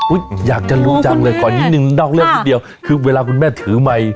อยากจะรู้จังเลยขอนิดนึงนอกเรื่องนิดเดียวคือเวลาคุณแม่ถือไมค์